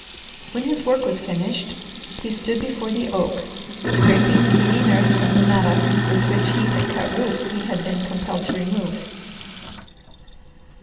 When his work was finished, he stood before the oak, scraping clinging earth from the mattock with which he had cut roots he had been compelled to remove.